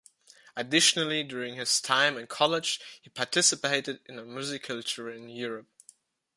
Additionally, during his time in college, he participated in a musical tour in Europe.